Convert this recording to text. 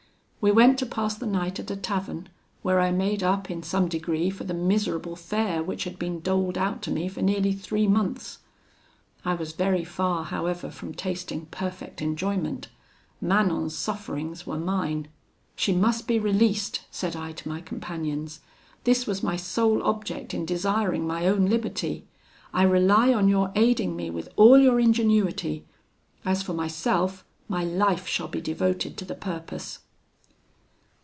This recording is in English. We went to pass the night at a tavern, where I made up, in some degree, for the miserable fare which had been doled out to me for nearly three months. I was very far, however, from tasting perfect enjoyment; Manon's sufferings were mine. 'She must be released,' said I to my companions: 'this was my sole object in desiring my own liberty. I rely on your aiding me with all your ingenuity; as for myself, my life shall be devoted to the purpose.'